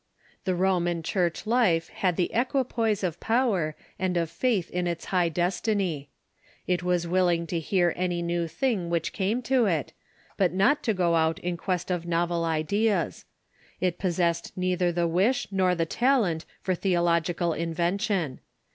The Roman Church life had the equipoise of power, and of faith in its high destiny. It Avas Avilling to hear any new thing which came to it, but not to go out in quest of novel ideas. It possessed neither the wish nor the talent for theo logical invention.